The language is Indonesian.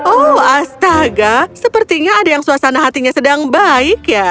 oh astaga sepertinya ada yang suasana hatinya sedang baik ya